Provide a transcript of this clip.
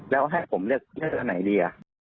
แล้วให้ผมเลือกเลือกไหนดี